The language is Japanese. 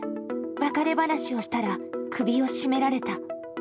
別れ話をしたら首を絞められた。